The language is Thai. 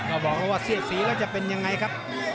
ก็บอกแล้วว่าเสียดสีแล้วจะเป็นยังไงครับ